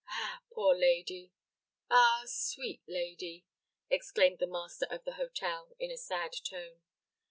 "Ah, poor lady! ah, sweet lady!" exclaimed the master of the hotel, in a sad tone.